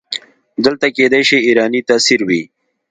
دلته کیدای شي ایرانی تاثیر وي.